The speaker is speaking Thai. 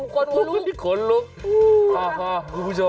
ขนลุกขนลุกอู้วฮ่าฮ่าคุณผู้ชมฮะฮ่า